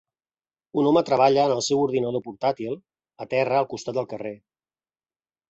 Un home treballa en el seu ordinador portàtil a terra al costat del carrer.